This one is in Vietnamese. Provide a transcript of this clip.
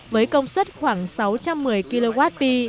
với công suất khoảng sáu trăm một mươi kwh